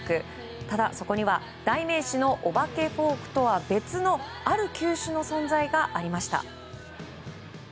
ただ、そこには代名詞のお化けフォークとは別のある球種の存在がありました。